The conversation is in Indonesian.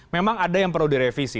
memang ada yang perlu direvisi